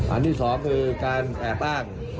อันที่สองคือการแอบอ้าง